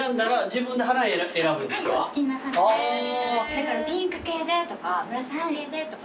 だからピンク系でとか紫系でとか。